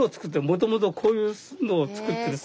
もともとこういうのを作ってる。